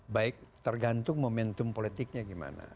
baik tergantung momentum politiknya gimana